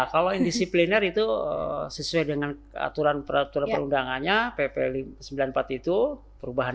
kalau indisipliner itu sesuai dengan aturan peraturan perundangannya pp sembilan puluh empat itu perubahan